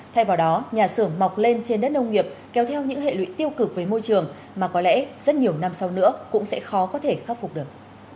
thay vào đó nhà xưởng mọc lên trên đất nông nghiệp kéo theo những hệ lụy tiêu cực với môi trường mà có lẽ rất nhiều năm sau nữa cũng sẽ khó có thể khắc phục được